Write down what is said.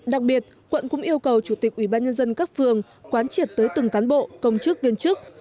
đặc biệt quận cũng yêu cầu chủ tịch ủy ban nhân dân các phường quán triệt tới từng cán bộ công chức viên chức